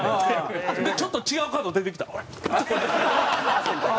ちょっと違うカード出てきたらあれ？